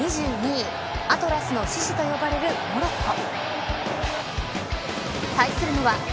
２２位アトラスの獅子と呼ばれるモロッコ。